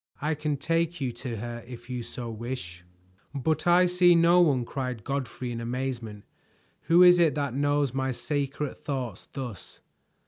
"I can take you to her if you so wish." "But I see no one!" cried Godfrey in amazement. "Who is it that knows my secret thoughts thus?"